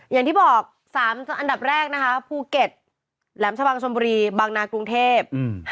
อย่างที่บอก๓อันดับแรกนะคะภูเก็ตแหลมชะบังชมบุรีบางนากรุงเทพ